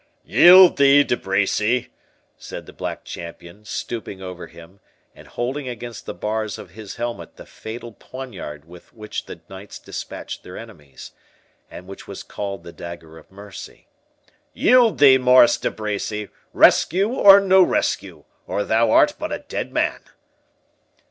"Yield thee, De Bracy," said the Black Champion, stooping over him, and holding against the bars of his helmet the fatal poniard with which the knights dispatched their enemies, (and which was called the dagger of mercy,)—"yield thee, Maurice de Bracy, rescue or no rescue, or thou art but a dead man."